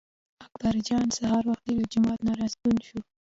اکبر جان سهار وختي له جومات نه راستون شو.